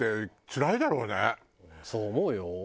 そう思うよ。